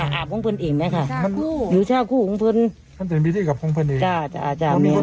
อาบห้องเพื่อนเองไหมค่ะอยู่ชาวคู่อยู่ชาวคู่ห้องเพื่อน